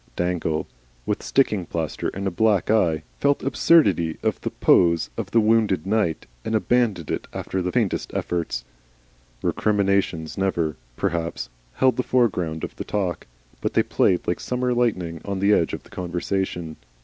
Dangle, with sticking plaster and a black eye, felt the absurdity of the pose of the Wounded Knight, and abandoned it after the faintest efforts. Recriminations never, perhaps, held the foreground of the talk, but they played like summer lightning on the edge of the conversation.